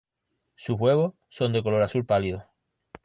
Sus huevos son de color azul pálido.